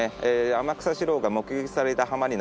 天草四郎が目撃された浜になります。